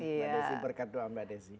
berkat doa mbak desi